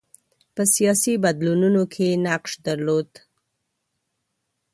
په سیاسي بدلونونو کې یې نقش درلود.